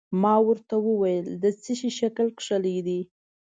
ما ورته وویل: د څه شي شکل کښلی دی؟